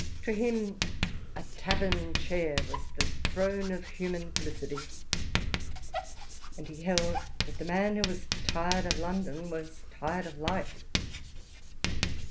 To him "a tavern chair was the throne of human felicity ;" and he held that the man who was tired of London was tired of life.